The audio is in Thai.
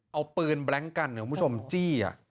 เอาปืนแบล็งก์กันเหรอคุณผู้ชมจี้อ่ะ